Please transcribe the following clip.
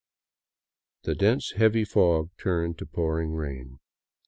'^ The dense, heavy fog turned to pouring rain.